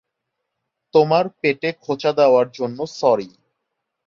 মহাবিদ্যালয়টি কলা ও বিজ্ঞান এই দু'টি ধারার বিভিন্ন বিষয়ে স্নাতক কোর্স সরবরাহ করে।